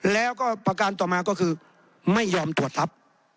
แล้วก็ประการต่อมาก็คือไม่ยอมตรวจทัพ